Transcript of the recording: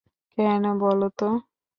কেন বলো তো।